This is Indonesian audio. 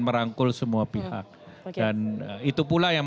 merangkul semua pihak dan itu pula yang